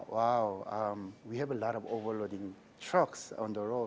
wow kita memiliki banyak kendaraan yang mengisi kelebihan di jalan